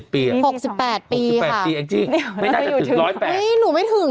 ๖๑๐ปีก็ไม่ถึง